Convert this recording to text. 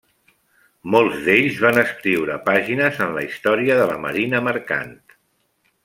Molts d'ells van escriure pàgines en la història de la marina mercant.